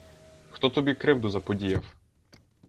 Хто тобі кривду заподіяв?